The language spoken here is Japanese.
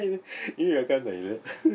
意味わかんないよね。